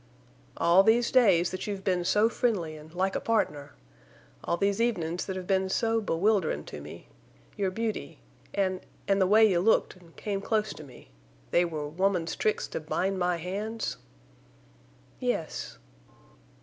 "All these days that you've been so friendly an' like a pardner—all these evenin's that have been so bewilderin' to me—your beauty—an'—an' the way you looked an' came close to me—they were woman's tricks to bind my hands?" "Yes."